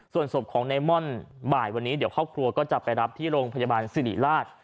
ส่วนศพของในม่อนบ่ายวันนี้เดี๋ยวครอบครัวก็จะไปรับที่โรงพยาบาลสิริราช